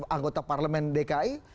anggota parlemen dki